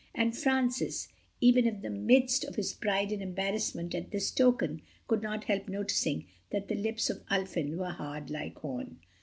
And Francis, even in the midst of his pride and embarrassment at this token, could not help noticing that the lips of Ulfin were hard, like horn.